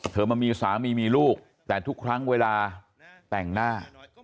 มามีสามีมีลูกแต่ทุกครั้งเวลาแต่งหน้า